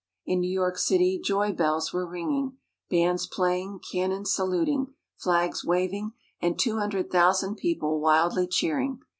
In New York City, joy bells were ringing, bands playing, cannon saluting, flags waving, and two hundred thousand people wildly cheering.